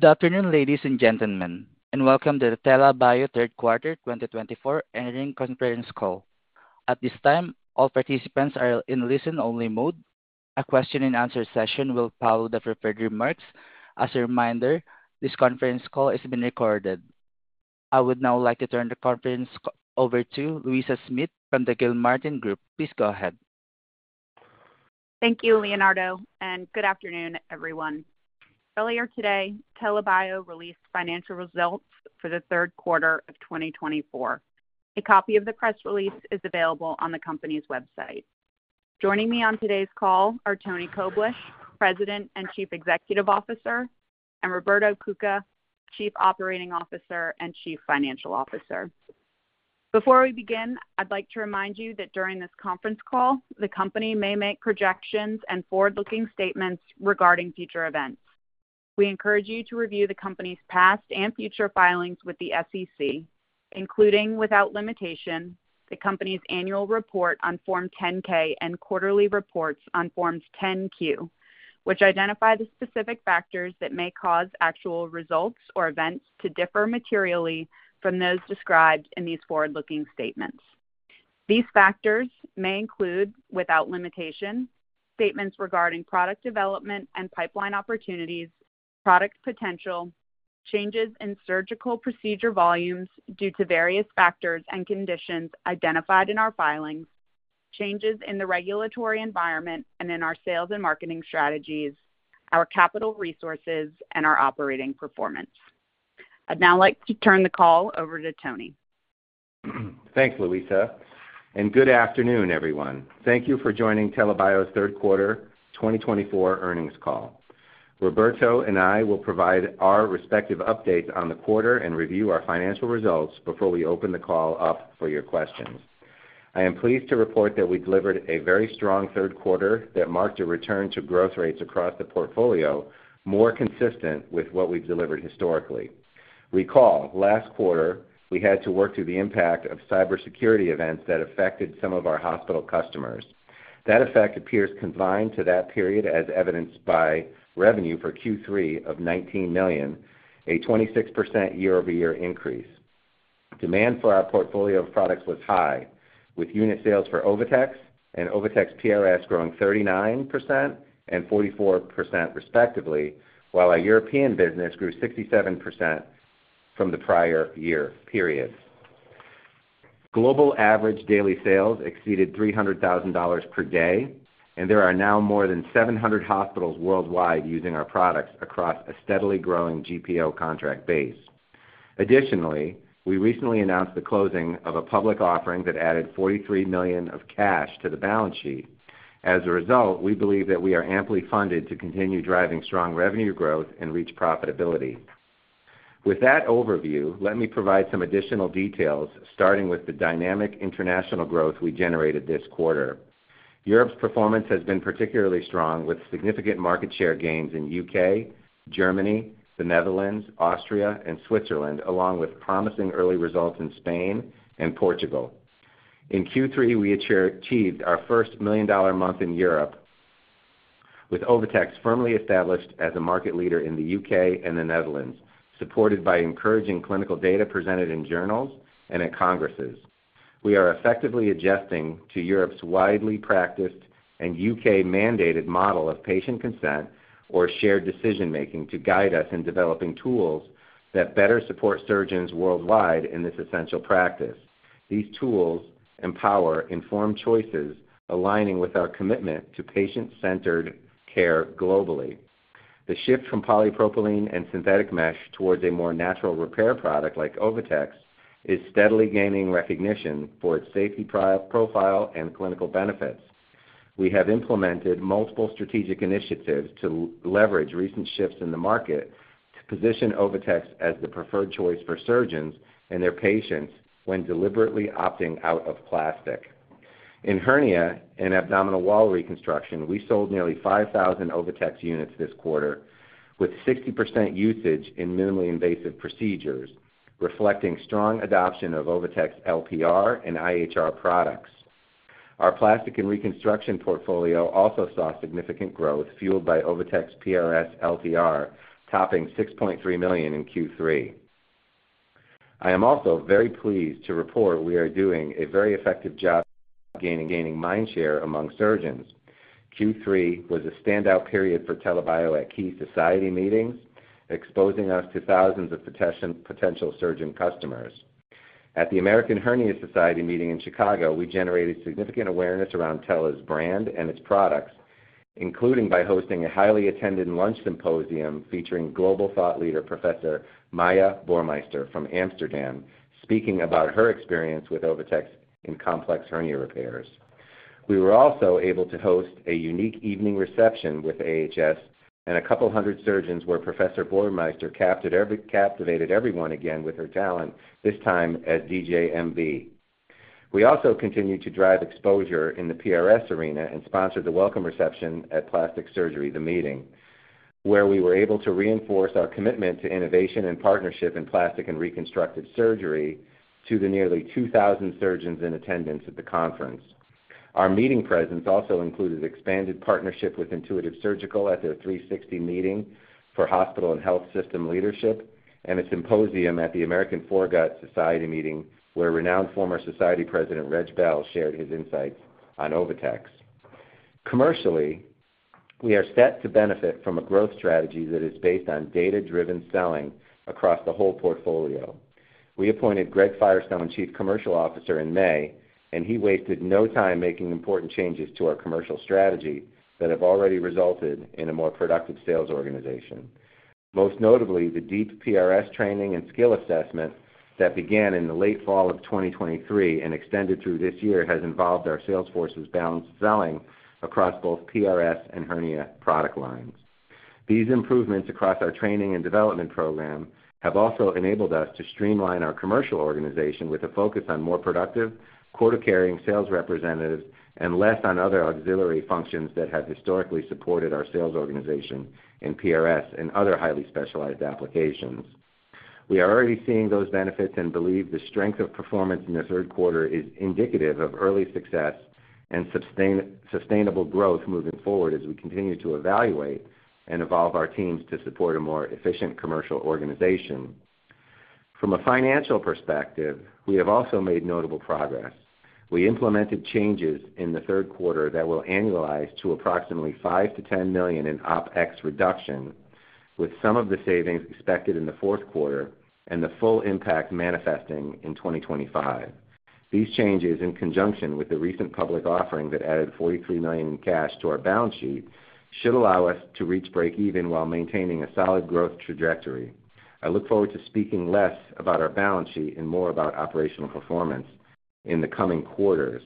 Good afternoon, ladies and gentlemen, and Welcome to the TELA Bio Q3 2024 Earnings Conference Call. At this time, all participants are in listen-only mode. A question-and-answer session will follow the prepared remarks. As a reminder, this conference call is being recorded. I would now like to turn the conference over to Luisa Smith from the Gilmartin Group. Please go ahead. Thank you, Leonardo, and good afternoon, everyone. Earlier today, TELA Bio released financial results for the Q3 of 2024. A copy of the press release is available on the company's website. Joining me on today's call are Antony Koblish, President and Chief Executive Officer, and Roberto Cuca, Chief Operating Officer and Chief Financial Officer. Before we begin, I'd like to remind you that during this conference call, the company may make projections and forward-looking statements regarding future events. We encourage you to review the company's past and future filings with the SEC, including without limitation, the company's annual report on Form 10-K and quarterly reports on Forms 10-Q, which identify the specific factors that may cause actual results or events to differ materially from those described in these forward-looking statements. These factors may include, without limitation, statements regarding product development and pipeline opportunities, product potential, changes in surgical procedure volumes due to various factors and conditions identified in our filings, changes in the regulatory environment and in our sales and marketing strategies, our capital resources, and our operating performance. I'd now like to turn the call over to Antony. Thanks, Luisa. Good afternoon, everyone. Thank you for joining TELA Bio's Q3 2024 earnings call. Roberto and I will provide our respective updates on the quarter and review our financial results before we open the call up for your questions. I am pleased to report that we delivered a very strong Q3 that marked a return to growth rates across the portfolio more consistent with what we've delivered historically. Recall, last quarter, we had to work through the impact of cybersecurity events that affected some of our hospital customers. That effect appears confined to that period, as evidenced by revenue for Q3 of $19 million, a 26% year-over-year increase. Demand for our portfolio of products was high, with unit sales for OviTex and OviTex PRS growing 39% and 44%, respectively, while our European business grew 67% from the prior year. Global average daily sales exceeded $300,000 per day, and there are now more than 700 hospitals worldwide using our products across a steadily growing GPO contract base. Additionally, we recently announced the closing of a public offering that added $43 million of cash to the balance sheet. As a result, we believe that we are amply funded to continue driving strong revenue growth and reach profitability. With that overview, let me provide some additional details, starting with the dynamic international growth we generated this quarter. Europe's performance has been particularly strong, with significant market share gains in the UK, Germany, the Netherlands, Austria, and Switzerland, along with promising early results in Spain and Portugal. In Q3, we achieved our first $1 million month in Europe, with OviTex firmly established as a market leader in the UK and the Netherlands, supported by encouraging clinical data presented in journals and at congresses. We are effectively adjusting to Europe's widely practiced and UK-mandated model of patient consent or shared decision-making to guide us in developing tools that better support surgeons worldwide in this essential practice. These tools empower informed choices, aligning with our commitment to patient-centered care globally. The shift from polypropylene and synthetic mesh towards a more natural repair product like OviTex is steadily gaining recognition for its safety profile and clinical benefits. We have implemented multiple strategic initiatives to leverage recent shifts in the market to position OviTex as the preferred choice for surgeons and their patients when deliberately opting out of plastic. In hernia and abdominal wall reconstruction, we sold nearly 5,000 OviTex units this quarter, with 60% usage in minimally invasive procedures, reflecting strong adoption of OviTex LPR and IHR products. Our plastic and reconstruction portfolio also saw significant growth, fueled by OviTex PRS LTR, topping $6.3 million in Q3. I am also very pleased to report we are doing a very effective job of gaining mind share among surgeons. Q3 was a standout period for TELA Bio at key society meetings, exposing us to thousands of potential surgeon customers. At the American Hernia Society meeting in Chicago, we generated significant awareness around TELA's brand and its products, including by hosting a highly attended lunch symposium featuring global thought leader Professor Marja Boermeester from Amsterdam, speaking about her experience with OviTex in complex hernia repairs. We were also able to host a unique evening reception with AHS, and a couple hundred surgeons where Professor Boermeester captivated everyone again with her talent, this time as DJ MB. We also continued to drive exposure in the PRS arena and sponsored the welcome reception at Plastic Surgery The Meeting, where we were able to reinforce our commitment to innovation and partnership in plastic and reconstructive surgery to the nearly 2,000 surgeons in attendance at the conference. Our meeting presence also included expanded partnership with Intuitive Surgical at their 360 meeting for hospital and health system leadership and a symposium at the American Foregut Society meeting, where renowned former society president Reg Bell shared his insights on OviTex. Commercially, we are set to benefit from a growth strategy that is based on data-driven selling across the whole portfolio. We appointed Greg Firestone Chief Commercial Officer in May, and he wasted no time making important changes to our commercial strategy that have already resulted in a more productive sales organization. Most notably, the deep PRS training and skill assessment that began in the late fall of 2023 and extended through this year has involved our sales forces' balanced selling across both PRS and hernia product lines. These improvements across our training and development program have also enabled us to streamline our commercial organization with a focus on more productive, quota-carrying sales representatives and less on other auxiliary functions that have historically supported our sales organization in PRS and other highly specialized applications. We are already seeing those benefits and believe the strength of performance in this Q3 is indicative of early success and sustainable growth moving forward as we continue to evaluate and evolve our teams to support a more efficient commercial organization. From a financial perspective, we have also made notable progress. We implemented changes in the Q3 that will annualize to approximately $5 million-$10 million in OpEx reduction, with some of the savings expected in the Q4 and the full impact manifesting in 2025. These changes, in conjunction with the recent public offering that added $43 million in cash to our balance sheet, should allow us to reach break-even while maintaining a solid growth trajectory. I look forward to speaking less about our balance sheet and more about operational performance in the coming quarters.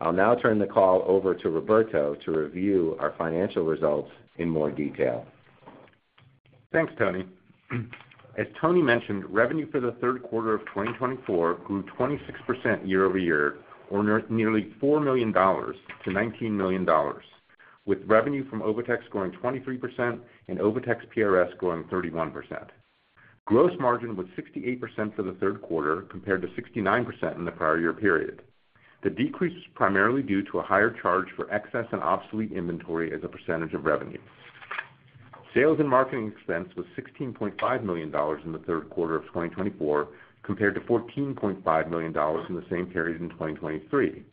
I'll now turn the call over to Roberto to review our financial results in more detail. Thanks, Antony. As Antony mentioned, revenue for Q3 of 2024 grew 26% year-over-year, or nearly $4 million to $19 million, with revenue from OviTex growing 23% and OviTex PRS growing 31%. Gross margin was 68% for Q3 compared to 69% in the prior year period. The decrease was primarily due to a higher charge for excess and obsolete inventory as a percentage of revenue. Sales and marketing expense was $16.5 million in the Q3 of 2024 compared to $14.5 million in the same period in 2023.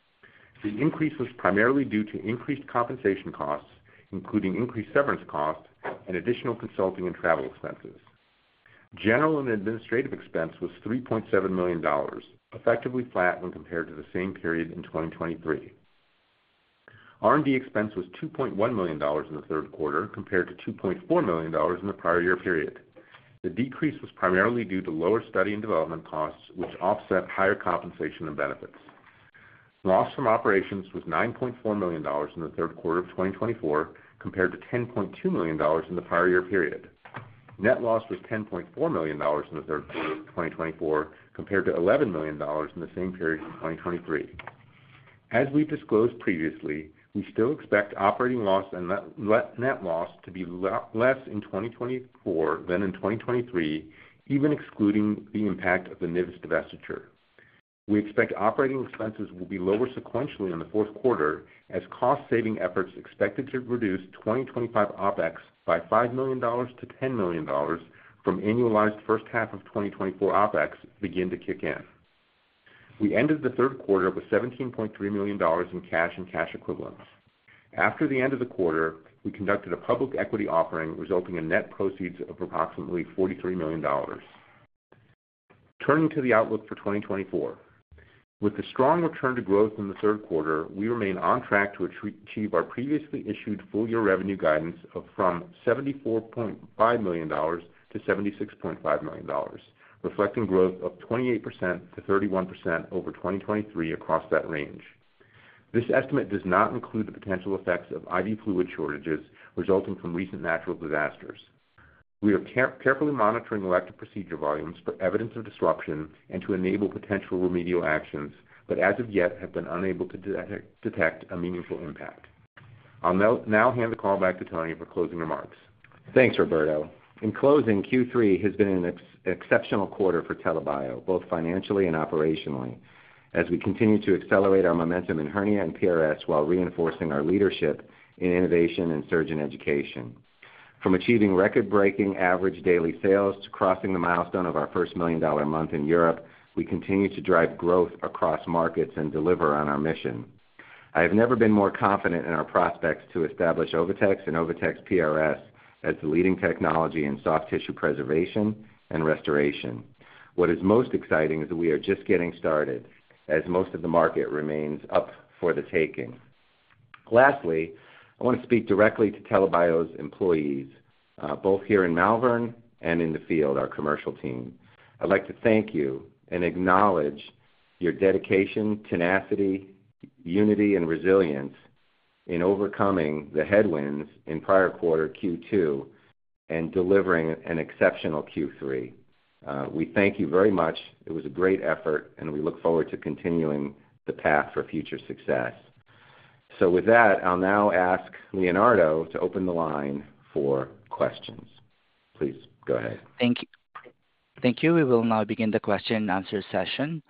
The increase was primarily due to increased compensation costs, including increased severance costs and additional consulting and travel expenses. General and administrative expense was $3.7 million, effectively flat when compared to the same period in 2023. R&D expense was $2.1 million in the Q3 compared to $2.4 million in the prior year period. The decrease was primarily due to lower study and development costs, which offset higher compensation and benefits. Loss from operations was $9.4 million in the Q3 of 2024 compared to $10.2 million in the prior year period. Net loss was $10.4 million in the Q3 of 2024 compared to $11 million in the same period in 2023. As we've disclosed previously, we still expect operating loss and net loss to be less in 2024 than in 2023, even excluding the impact of the NIVIS divestiture. We expect operating expenses will be lower sequentially in the Q4, as cost-saving efforts expected to reduce 2025 OpEx by $5 million-$10 million from annualized first half of 2024 OpEx begin to kick in. We ended the Q3 with $17.3 million in cash and cash equivalents. After the end of the quarter, we conducted a public equity offering, resulting in net proceeds of approximately $43 million. Turning to the outlook for 2024, with the strong return to growth in the Q3, we remain on track to achieve our previously issued full-year revenue guidance of from $74.5 million-$76.5 million, reflecting growth of 28%-31% over 2023 across that range. This estimate does not include the potential effects of IV fluid shortages resulting from recent natural disasters. We are carefully monitoring elective procedure volumes for evidence of disruption and to enable potential remedial actions, but as of yet, have been unable to detect a meaningful impact. I'll now hand the call back to Antony for closing remarks. Thanks, Roberto. In closing, Q3 has been an exceptional quarter for TELA Bio, both financially and operationally, as we continue to accelerate our momentum in hernia and PRS while reinforcing our leadership in innovation and surgeon education. From achieving record-breaking average daily sales to crossing the milestone of our first million-dollar month in Europe, we continue to drive growth across markets and deliver on our mission. I have never been more confident in our prospects to establish OviTex and OviTex PRS as the leading technology in soft tissue preservation and restoration. What is most exciting is that we are just getting started, as most of the market remains up for the taking. Lastly, I want to speak directly to TELA Bio's employees, both here in Malvern and in the field, our commercial team. I'd like to thank you and acknowledge your dedication, tenacity, unity, and resilience in overcoming the headwinds in prior quarter Q2 and delivering an exceptional Q3. We thank you very much. It was a great effort, and we look forward to continuing the path for future success. So with that, I'll now ask Leonardo to open the line for questions. Please go ahead. Thank you. Thank you. We will now begin the question-and-answer session.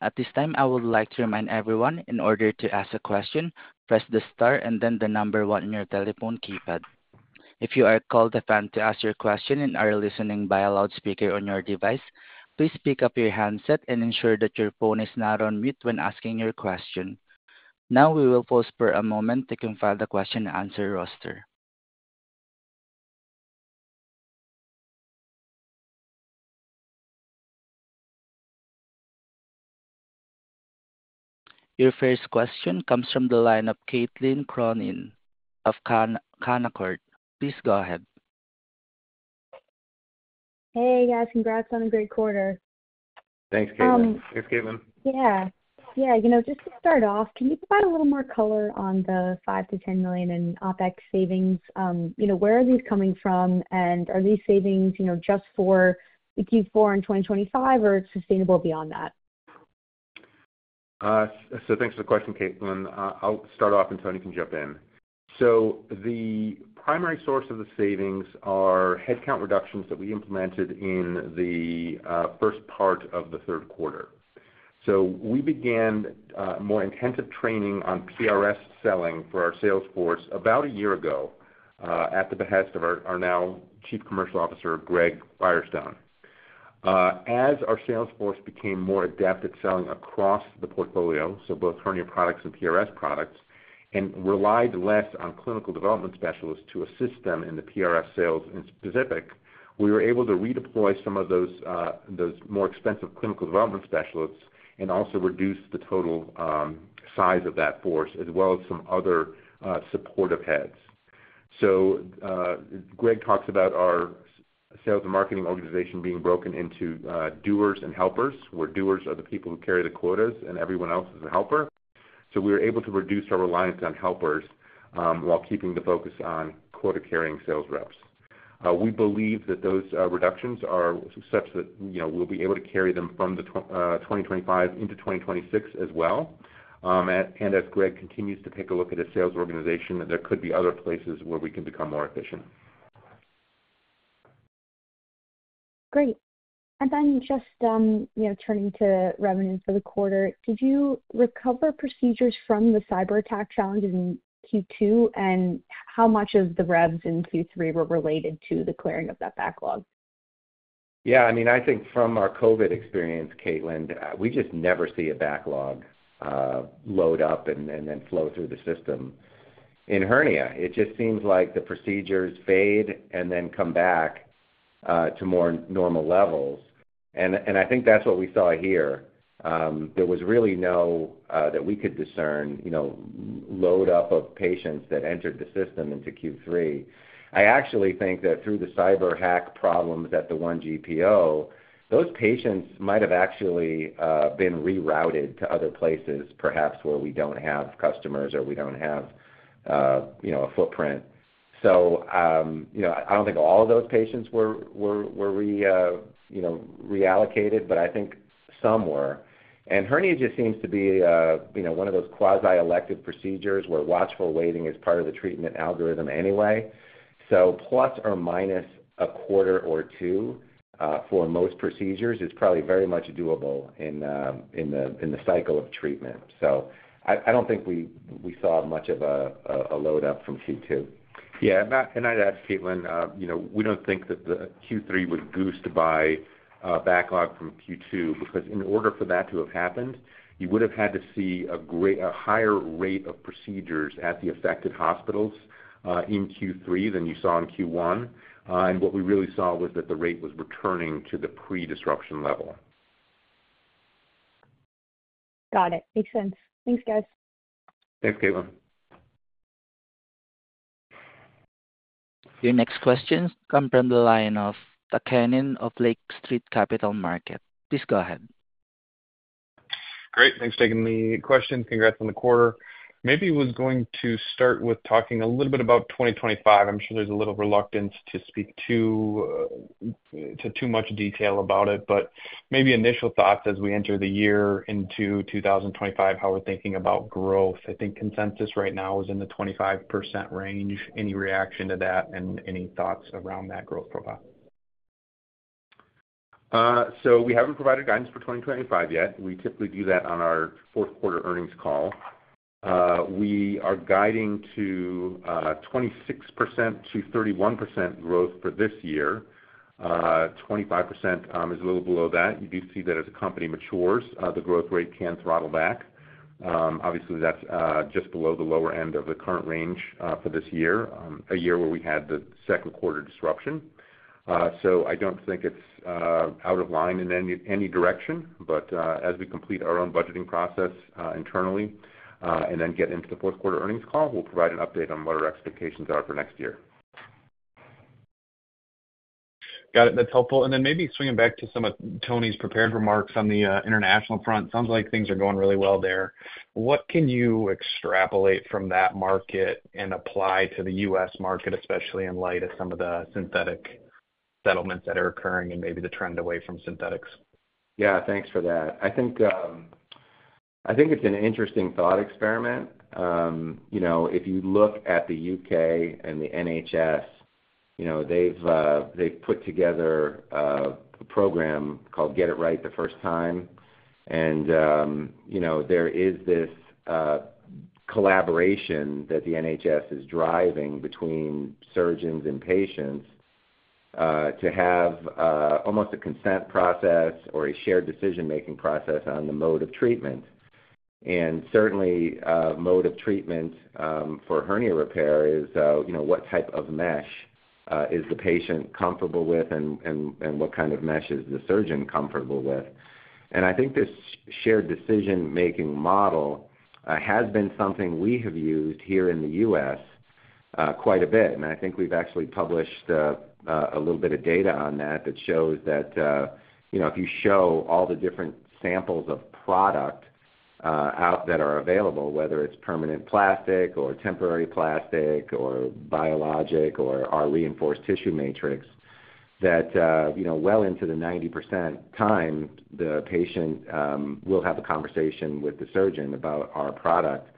At this time, I would like to remind everyone, in order to ask a question, press the star and then the number one on your telephone keypad. If you are called upon to ask your question and are listening by a loudspeaker on your device, please pick up your handset and ensure that your phone is not on mute when asking your question. Now, we will pause for a moment to confirm the question-and-answer roster. Your first question comes from the line of Caitlin Cronin of Canaccord Genuity. Please go ahead. Hey, guys. Congrats on a great quarter. Thanks, Caitlin. You know, just to start off, can you provide a little more color on the $5 million-$10 million in OpEx savings? You know, where are these coming from, and are these savings, you know, just for Q4 and 2025, or sustainable beyond that? Thanks for the question, Caitlin. I'll start off, and Antony can jump in. So the primary source of the savings are headcount reductions that we implemented in the first part of the Q3. So we began more intensive training on PRS selling for our sales force about a year ago at the behest of our now Chief Commercial Officer, Greg Firestone. As our sales force became more adept at selling across the portfolio, so both hernia products and PRS products, and relied less on clinical development specialists to assist them in the PRS sales specifically, we were able to redeploy some of those more expensive clinical development specialists and also reduce the total size of that force, as well as some other supportive heads. So Greg talks about our sales and marketing organization being broken into doers and helpers, where doers are the people who carry the quotas and everyone else is a helper. So we were able to reduce our reliance on helpers while keeping the focus on quota-carrying sales reps. We believe that those reductions are such that, you know, we'll be able to carry them from 2025 into 2026 as well. And as Greg continues to take a look at his sales organization, there could be other places where we can become more efficient. Great. And then just, you know, turning to revenues for the quarter, did you recover procedures from the cyber attack challenges in Q2, and how much of the revs in Q3 were related to the clearing of that backlog? Yeah. I mean, I think from our COVID experience, Caitlin, we just never see a backlog load up and then flow through the system. In hernia, it just seems like the procedures fade and then come back to more normal levels. And I think that's what we saw here. There was really no backlog that we could discern, you know, load up of patients that entered the system into Q3. I actually think that through the cyber hack problems at the one GPO, those patients might have actually been rerouted to other places, perhaps where we don't have customers or we don't have, you know, a footprint. So, you know, I don't think all of those patients were reallocated, but I think some were. And hernia just seems to be, you know, one of those quasi-elective procedures where watchful waiting is part of the treatment algorithm anyway. So plus or minus a quarter or two for most procedures is probably very much doable in the cycle of treatment. So I don't think we saw much of a load up from Q2. Yeah. And I'd add, Caitlin, you know, we don't think that the Q3 was goosed by backlog from Q2, because in order for that to have happened, you would have had to see a higher rate of procedures at the affected hospitals in Q3 than you saw in Q1. And what we really saw was that the rate was returning to the pre-disruption level. Got it. Makes sense. Thanks, guys. Thanks, Caitlin. Your next questions come from the line of Frank Takkinen of Lake Street Capital Markets. Please go ahead. Great. Thanks for taking the questions. Congrats on the quarter. Maybe I was going to start with talking a little bit about 2025. I'm sure there's a little reluctance to speak too much detail about it, but maybe initial thoughts as we enter the year into 2025, how we're thinking about growth. I think consensus right now is in the 25% range. Any reaction to that and any thoughts around that growth profile? So we haven't provided guidance for 2025 yet. We typically do that on our Q4 earnings call. We are guiding to 26%-31% growth for this year. 25% is a little below that. You do see that as a company matures, the growth rate can throttle back. Obviously, that's just below the lower end of the current range for this year, a year where we had the second quarter disruption. So I don't think it's out of line in any direction. But as we complete our own budgeting process internally and then get into the Q4 earnings call, we'll provide an update on what our expectations are for next year. Got it. That's helpful. And then maybe swinging back to some of Antony's prepared remarks on the international front, it sounds like things are going really well there. What can you extrapolate from that market and apply to the U.S. market, especially in light of some of the synthetic settlements that are occurring and maybe the trend away from synthetics? Yeah. Thanks for that. I think it's an interesting thought experiment. You know, if you look at the U.K. and the NHS, you know, they've put together a program called Get It Right the First Time. And, you know, there is this collaboration that the NHS is driving between surgeons and patients to have almost a consent process or a shared decision-making process on the mode of treatment. And certainly, mode of treatment for hernia repair is, you know, what type of mesh is the patient comfortable with and what kind of mesh is the surgeon comfortable with. And I think this shared decision-making model has been something we have used here in the U.S. quite a bit. I think we've actually published a little bit of data on that that shows that, you know, if you show all the different samples of product out that are available, whether it's permanent plastic or temporary plastic or biologic or our reinforced tissue matrix, that, you know, well into the 90% of the time, the patient will have a conversation with the surgeon about our product.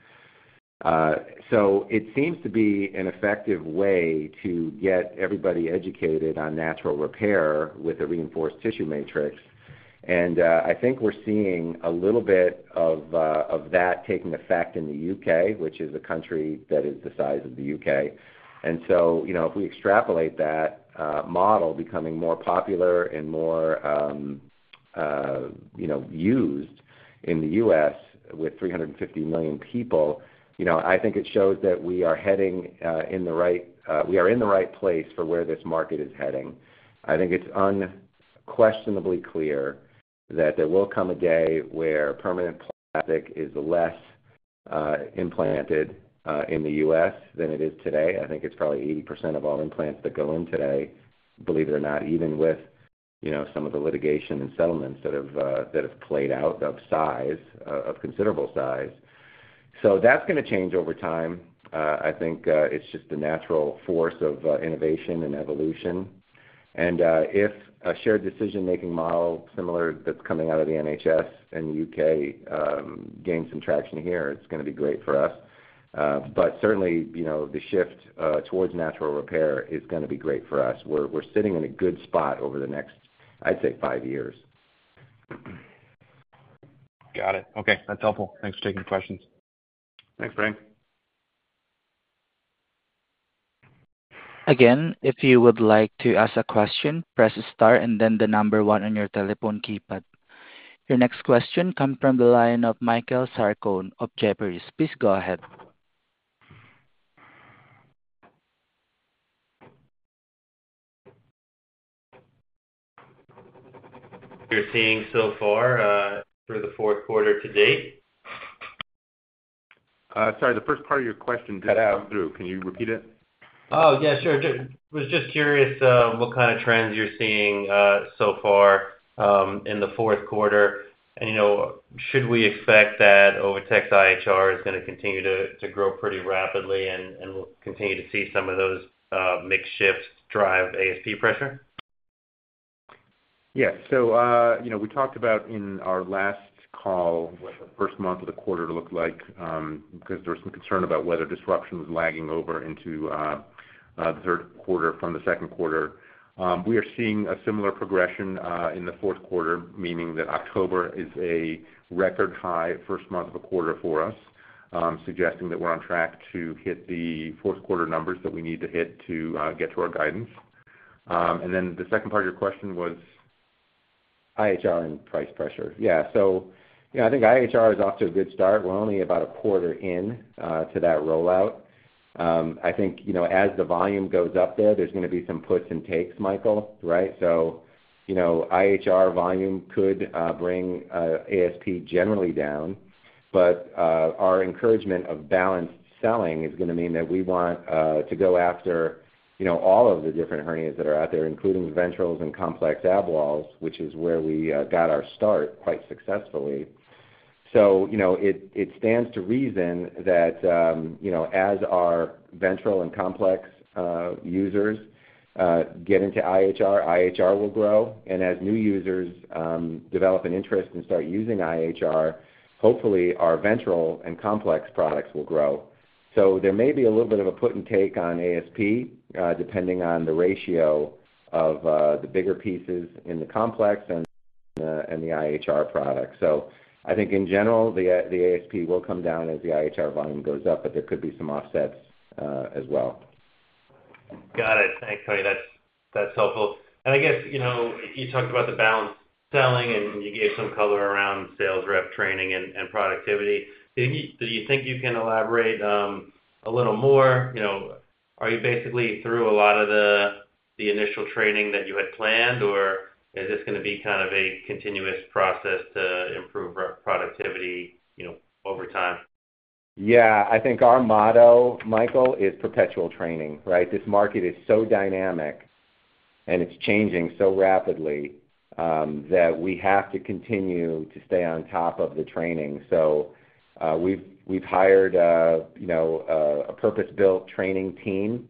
So it seems to be an effective way to get everybody educated on natural repair with a reinforced tissue matrix. I think we're seeing a little bit of that taking effect in the U.K., which is a country that is the size of the U.K. So, you know, if we extrapolate that model becoming more popular and more, you know, used in the U.S. with 350 million people, you know, I think it shows that we are in the right place for where this market is heading. I think it's unquestionably clear that there will come a day where permanent plastic is less implanted in the U.S. than it is today. I think it's probably 80% of all implants that go in today, believe it or not, even with, you know, some of the litigation and settlements that have played out of considerable size. So that's going to change over time. I think it's just the natural force of innovation and evolution. And if a shared decision-making model similar that's coming out of the NHS and U.K. gains some traction here, it's going to be great for us. But certainly, you know, the shift towards natural repair is going to be great for us. We're sitting in a good spot over the next, I'd say, five years. Got it. Okay. That's helpful. Thanks for taking the questions. Thanks, Frank. Again, if you would like to ask a question, press the star and then the number one on your telephone keypad. Your next question comes from the line of Michael Sarcone of Jefferies. Please go ahead. You're seeing so far for the Q4 to date? Sorry. The first part of your question didn't come through. Can you repeat it? Oh, yeah. Sure. I was just curious what kind of trends you're seeing so far in the Q4, and you know, should we expect that OviTex IHR is going to continue to grow pretty rapidly and continue to see some of those mixed shifts drive ASP pressure? Yeah. So, you know, we talked about in our last call what the first month of the quarter looked like, because there was some concern about whether disruption was lagging over into the third quarter from the second quarter. We are seeing a similar progression in the Q4, meaning that October is a record high first month of the quarter for us, suggesting that we're on track to hit the Q4 numbers that we need to hit to get to our guidance. And then the second part of your question was IHR and price pressure. Yeah. So, you know, I think IHR is off to a good start. We're only about a quarter into that rollout. I think, you know, as the volume goes up there, there's going to be some puts and takes, Michael, right? So, you know, IHR volume could bring ASP generally down. But our encouragement of balanced selling is going to mean that we want to go after, you know, all of the different hernias that are out there, including ventrals and complex ab walls, which is where we got our start quite successfully. So, you know, it stands to reason that, you know, as our ventral and complex users get into IHR, IHR will grow. And as new users develop an interest and start using IHR, hopefully our ventral and complex products will grow. So there may be a little bit of a put and take on ASP depending on the ratio of the bigger pieces in the complex and the IHR product. So I think in general, the ASP will come down as the IHR volume goes up, but there could be some offsets as well. Got it. Thanks, Antony. That's helpful. And I guess, you know, you talked about the balanced selling, and you gave some color around sales rep training and productivity. Do you think you can elaborate a little more? You know, are you basically through a lot of the initial training that you had planned, or is this going to be kind of a continuous process to improve productivity, you know, over time? Yeah. I think our model, Michael, is perpetual training, right? This market is so dynamic and it's changing so rapidly that we have to continue to stay on top of the training. So we've hired, you know, a purpose-built training team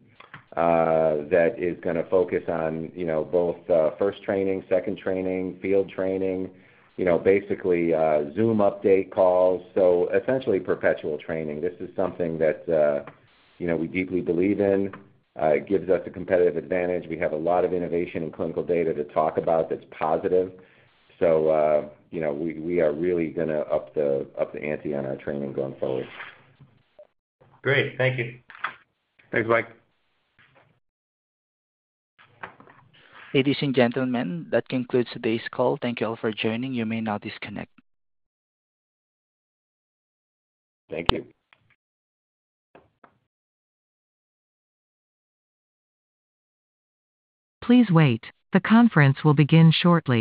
that is going to focus on, you know, both first training, second training, field training, you know, basically Zoom update calls. So essentially perpetual training. This is something that, you know, we deeply believe in. It gives us a competitive advantage. We have a lot of innovation and clinical data to talk about that's positive. So, you know, we are really going to up the ante on our training going forward. Great. Thank you. Thanks, Mike. Ladies and gentlemen, that concludes today's call. Thank you all for joining. You may now disconnect. Thank you. Please wait. The conference will begin shortly.